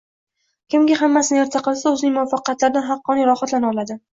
Kimki hammasini erta qilsa, o`zining muvaffaqiyatidan haqqoniy rohatlana oladi